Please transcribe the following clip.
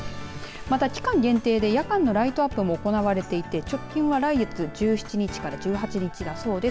また、期間限定で夜間のライトアップも行われていて直近では来月１７日から１８日だそうです。